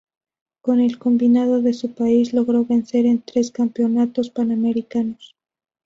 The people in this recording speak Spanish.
Con el combinado de su país logró vencer en tres Campeonatos Panamericanos.